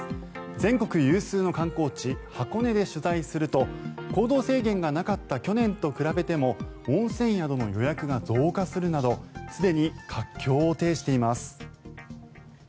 全国有数の観光地箱根で取材すると行動制限がなかった去年と比べても温泉宿の予約が増加するなどすでに活況を呈しています。